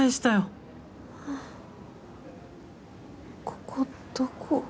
ここどこ？